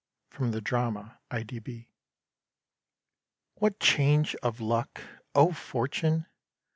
(From the drama "I. D. B.") What change of luck! O Fortune!